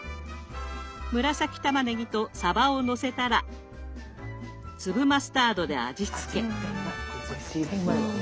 紫たまねぎとさばをのせたら粒マスタードで味付け。